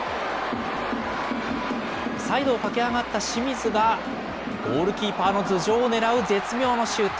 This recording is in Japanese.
サイドを駆け上がった清水がゴールキーパーの頭上を狙う絶妙なシュート。